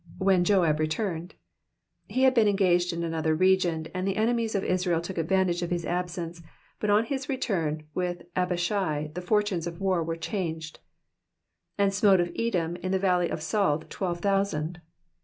When Joab returned. He had been engaged in anotlier region, arui the enemies qf Israel took advantage cf his absence, but on his return with Abishai the fortunes of war were changed. And smote of Edom in the valley of salt twelve thousand.